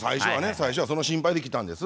最初はその心配で来たんです。